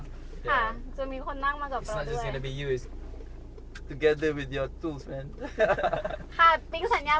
ให้ผมจัดมือได้ก่อนผมออกแล้ว